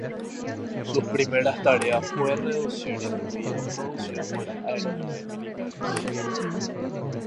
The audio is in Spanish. Sus primeras tareas fue reducir el ruido producido por aeronaves militares.